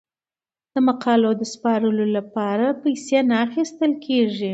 د مقالو د سپارلو لپاره پیسې نه اخیستل کیږي.